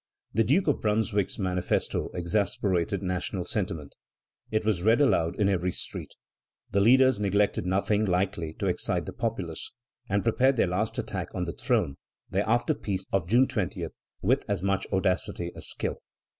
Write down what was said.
The Duke of Brunswick's manifesto exasperated national sentiment. It was read aloud in every street. The leaders neglected nothing likely to excite the populace, and prepared their last attack on the throne, their afterpiece of June 20, with as much audacity as skill.